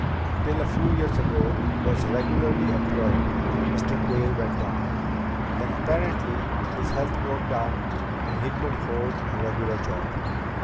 "... until a few years ago was regularly employed," Mr. Quayle went on. "Then, apparently, his health broke down and he couldn't hold a regular job.